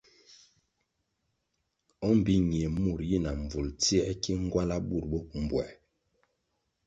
O mbpi ñie mur yi na mbvulʼ tsiē ki ngwala burʼ bo mbwē.